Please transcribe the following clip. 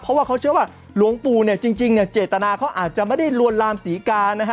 เพราะว่าเขาเชื่อว่าหลวงปู่จริงเจตนาอาจจะไม่ได้ลวนลามศรีกา